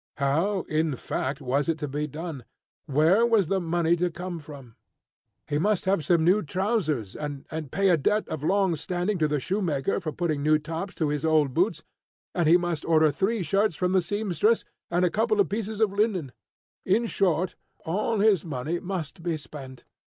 How, in fact, was it to be done? Where was the money to come from? He must have some new trousers, and pay a debt of long standing to the shoemaker for putting new tops to his old boots, and he must order three shirts from the seamstress, and a couple of pieces of linen. In short, all his money must be spent.